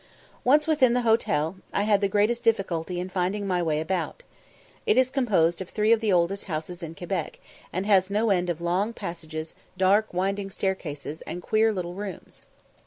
Once within the hotel, I had the greatest difficulty in finding my way about. It is composed of three of the oldest houses in Quebec, and has no end of long passages, dark winding staircases, and queer little rooms.